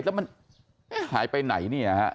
แล้วมันหายไปไหนเนี่ยฮะ